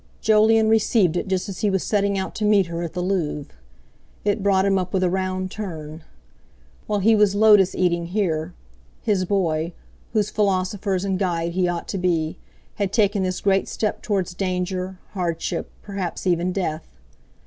Jolyon received it just as he was setting out to meet her at the Louvre. It brought him up with a round turn. While he was lotus eating here, his boy, whose philosopher and guide he ought to be, had taken this great step towards danger, hardship, perhaps even death.